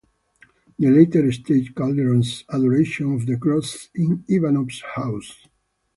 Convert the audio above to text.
The latter staged Calderon's "Adoration of the Cross" in Ivanov's house.